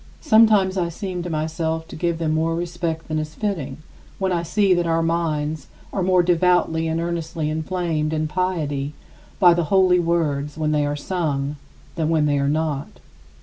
Sometimes, I seem to myself to give them more respect than is fitting, when I see that our minds are more devoutly and earnestly inflamed in piety by the holy words when they are sung than when they are not.